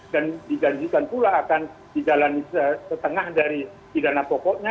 dan dijanjikan pula akan dijalani setengah dari pidana pokoknya